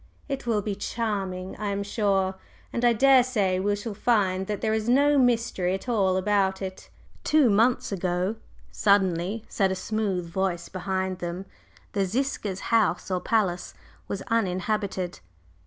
"It will be charming, I am sure, and I daresay we shall find that there is no mystery at all about it." "Two months ago," suddenly said a smooth voice behind them, "the Ziska's house or palace was uninhabited."